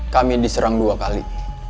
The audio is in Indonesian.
kami diserang dua kali